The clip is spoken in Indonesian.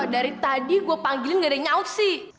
dari tadi gue panggilin nggak ada yang nyauk sih